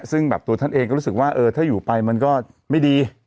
ซึ่งแบบตัวท่านเองก็รู้สึกว่าถ้าอยู่ไปมันก็ไม่ดี